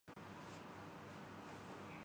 تنظیم نام کی چیز پارٹی میں ہے۔